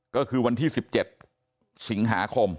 ก็คือวันที่๑๗สิงหาคม